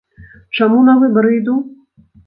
Чаму на выбары іду?